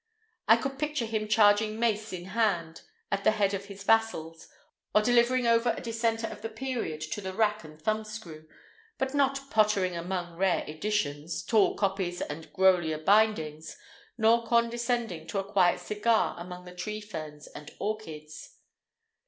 I could picture him charging mace in hand at the head of his vassals, or delivering over a dissenter of the period to the rack and thumbscrew, but not pottering among rare editions, tall copies and Grolier bindings, nor condescending to a quiet cigar among the tree ferns and orchids.